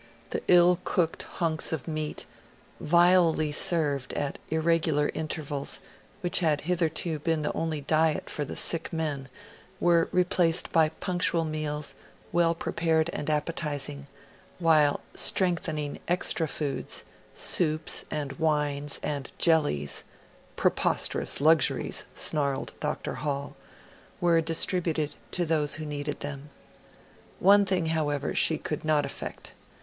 The ill cooked hunks of meat, vilely served at irregular intervals, which had hitherto been the only diet for the sick men, were replaced by punctual meals, well prepared and appetising, while strengthening extra foods soups and wines and jellies ('preposterous luxuries', snarled Dr. Hall) were distributed to those who needed them. One thing, however, she could not effect.